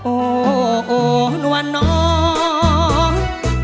โอ้โอ้นว่าน้อง